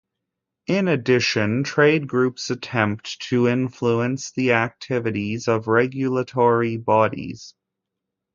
In addition, trade groups attempt to influence the activities of regulatory bodies.